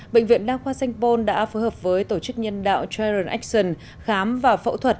bệnh viện đa khoa sanh pôn đã phối hợp với tổ chức nhân đạo trion acion khám và phẫu thuật